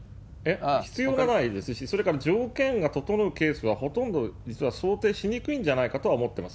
必要がないですし、それから、条件が整うケースはほとんど実は想定しにくいんじゃないかとは思ってます。